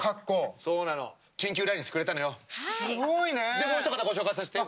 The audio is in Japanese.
でもうひとかたご紹介させて。